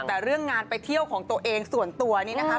แต่เรื่องงานไปเที่ยวของตัวเองส่วนตัวนี้นะคะ